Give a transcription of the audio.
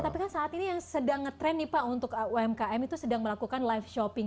tapi kan saat ini yang sedang ngetrend nih pak untuk umkm itu sedang melakukan live shopping